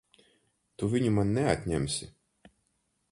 Tu viņu man neatņemsi!